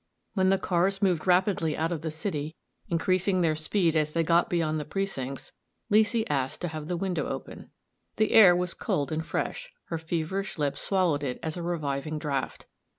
When the cars moved rapidly out of the city, increasing their speed as they got beyond the precincts, Leesy asked to have the window open. The air was cold and fresh; her feverish lips swallowed it as a reviving draught.